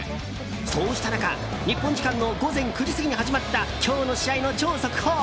そうした中、日本時間の午前９時過ぎに始まった今日の試合の超速報。